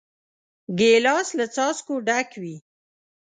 ګیلاس له څاڅکو ډک وي.